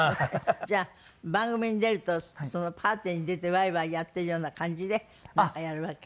じゃあ番組に出るとパーティーに出てワイワイやっているような感じでなんかやるわけ？